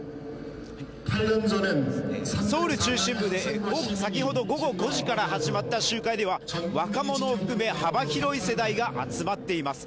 ソウル中心部で先ほど午後５時から始まった集会では若者を含め、幅広い世代が集まっています。